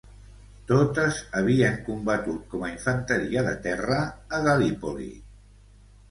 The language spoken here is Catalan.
Totes havien combatut com a infanteria de terra a Gallipoli.